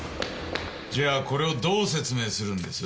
じゃあこれをどう説明するんです？